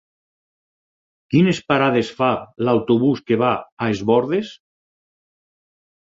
Quines parades fa l'autobús que va a Es Bòrdes?